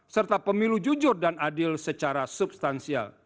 serta pemilu jujur dan adil secara substansial